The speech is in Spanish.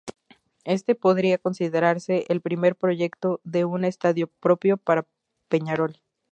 Este podría considerarse el primer proyecto de un estadio propio para Peñarol.